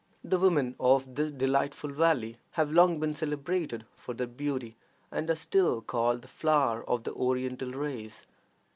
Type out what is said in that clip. The women of this delightful valley have long been celebrated for their beauty, and are still called the flower of the Oriental race.